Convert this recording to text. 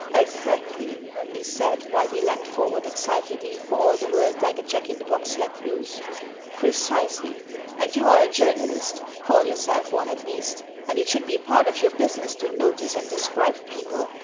"Exactly," he said, while he leant forward excitedly, for all the world like a Jack in the box let loose. "Precisely; and you are a journalist — call yourself one, at least — and it should be part of your business to notice and describe people.